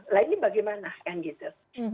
lainnya bagaimana kan gitu